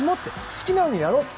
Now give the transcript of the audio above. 好きなようにやろうと。